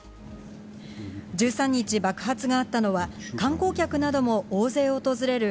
１３日、爆発があったのは、観光客も大勢訪れる